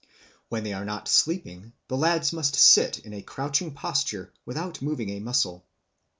When they are not sleeping, the lads must sit in a crouching posture without moving a muscle.